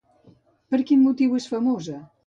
Per quin motiu és famosa?